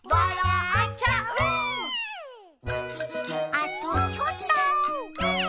あとちょっと。